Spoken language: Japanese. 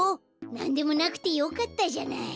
なんでもなくてよかったじゃない。